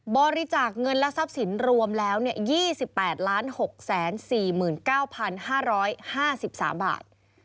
บริจาคเงินและทรัพย์สินรวมแล้ว๒๘๖๔๙๕๕๓บาท